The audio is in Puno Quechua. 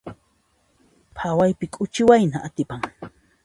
Phawaypi k'uchi wayna atipan.